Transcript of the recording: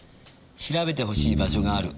「調べてほしい場所がある。